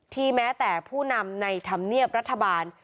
แม้แต่ผู้นำในธรรมเนียบรัฐบาล